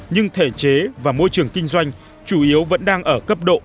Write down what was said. nhưng thể chế và môi trường kinh doanh chủ yếu vẫn đang ở cấp độ